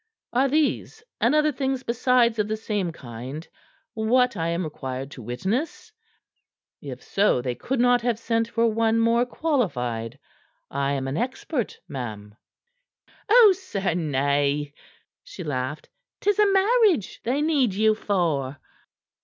Are these and other things besides of the same kind what I am required to witness? If so, they could not have sent for one more qualified. I am an expert, ma'am." "Oh, sir, nay!" she laughed. "'Tis a marriage they need you for."